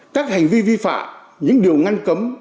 các hành vi vi phạ những điều ngăn cấm